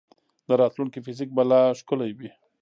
د راتلونکي فزیک به لا ښکلی وي.